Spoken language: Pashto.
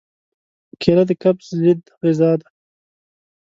کېله د قبض ضد غذا ده.